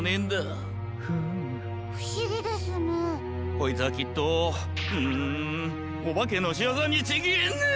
こいつはきっとんおばけのしわざにちげえねえ！